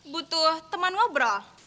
butuh teman wabrol